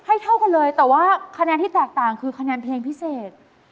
เท่ากันเลยแต่ว่าคะแนนที่แตกต่างคือคะแนนเพลงพิเศษ